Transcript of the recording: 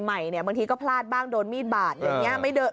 เนี่ยบางทีก็พลาดบ้างโดนมีดบาดอย่างนี้ไม่เดิน